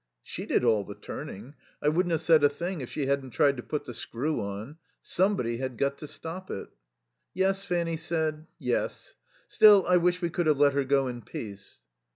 "She did all the turning. I wouldn't have said a thing if she hadn't tried to put the screw on. Somebody had got to stop it." "Yes," Fanny said. "Yes. Still, I wish we could have let her go in peace."